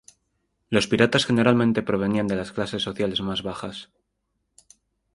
Los piratas generalmente provenían de las clases sociales más bajas.